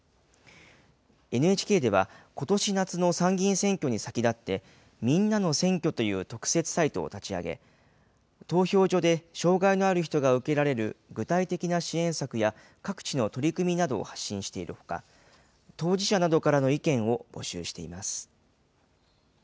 ＮＨＫでは、ことし夏の参議院選挙に先立って、みんなの選挙という特設サイトを立ち上げ、投票所で障害のある人が受けられる具体的な支援策や、各地の取り組みなどを発信しているほか、当事者などからの意見を募集しています。